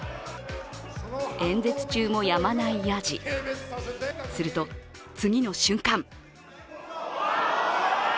演説中もやまないやじ、すると次の瞬間